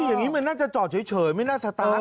อย่างนี้มันน่าจะจอดเฉยไม่น่าสตาร์ท